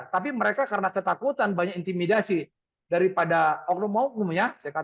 tapi mereka karena ketakutan banyak intimidasi daripada oknum oknum ya